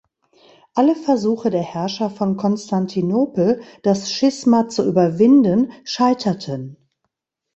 Alle Versuche der Herrscher von Konstantinopel, das Schisma zu überwinden, scheiterten.